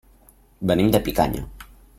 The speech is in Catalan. Venim de Picanya.